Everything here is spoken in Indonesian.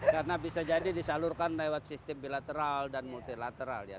karena bisa jadi disalurkan lewat sistem bilateral dan multilateral ya